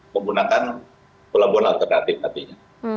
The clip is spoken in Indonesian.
menggunakan pelabuhan alternatif nantinya